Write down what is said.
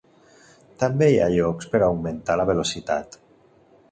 També hi ha llocs per augmentar la velocitat.